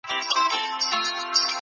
د خپلو ژمنو پوره ساتنه وکړئ.